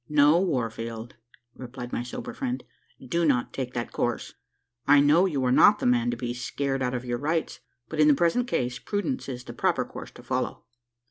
"No, Warfield," replied my sober friend, "do not take that course; I know you are not the man to be scared out of your rights; but, in the present case, prudence is the proper course to follow.